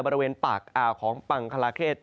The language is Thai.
บริเวณปากอ่าวของปังคลาเขต